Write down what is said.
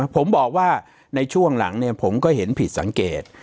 ผมบอกว่าในช่วงหลังผมก็เห็นผิดสังเกต